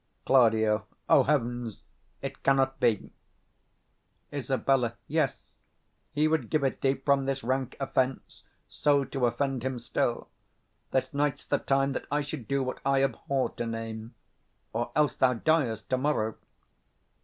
Claud. O heavens! it cannot be. Isab. Yes, he would give't thee, from this rank offence, So to offend him still. This night's the time That I should do what I abhor to name, Or else thou diest to morrow.